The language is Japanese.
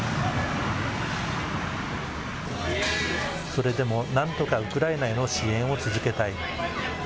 それでもなんとかウクライナへの支援を続けたい。